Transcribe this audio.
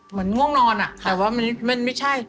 เหมือนง่วงนอนอะแต่ว่ามันไม่ใช่